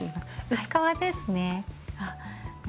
薄皮ですね。